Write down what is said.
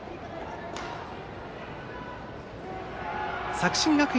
作新学院